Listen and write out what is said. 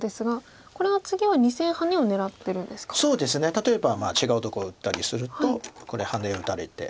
例えば違うとこ打ったりするとこれハネ打たれて。